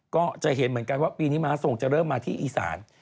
ก็จะเห็นเหมือนกันว่าปีนี้ม้าทรงจะเริ่มมาที่อีสาน